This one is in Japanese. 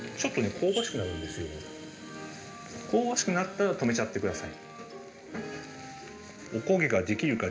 香ばしくなったら止めちゃってください。